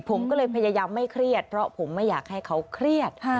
ผมก็เลยพยายามไม่เครียดเพราะผมไม่อยากให้เขาเครียด